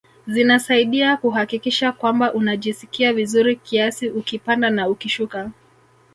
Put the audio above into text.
Zinasaidia kuhakikisha kwamba unajisikia vizuri kiasi ukipanda na ukishuka